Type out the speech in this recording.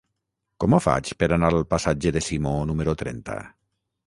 Com ho faig per anar al passatge de Simó número trenta?